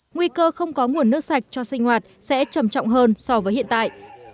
nguy cơ không có nguồn nước sạch cho sinh hoạt sẽ trầm trọng hơn so với hiện tại